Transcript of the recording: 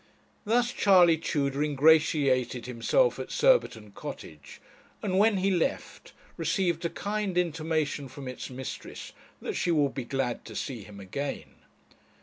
Thus Charley Tudor ingratiated himself at Surbiton Cottage, and when he left, received a kind intimation from its mistress that she would be glad to see him again.